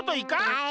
はい。